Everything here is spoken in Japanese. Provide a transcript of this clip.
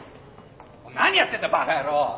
何やってんだバカ野郎！